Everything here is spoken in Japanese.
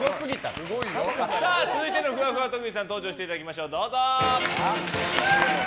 続いてのふわふわ特技さん登場していただきましょう。